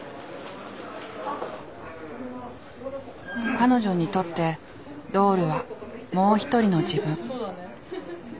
彼女にとってドールはもう一人の自分。